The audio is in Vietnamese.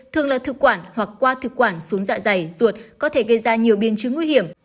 thường là thực quản hoặc qua thực quản xuống dạ dày ruột có thể gây ra nhiều biến chứng nguy hiểm